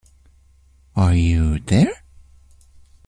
Are you there?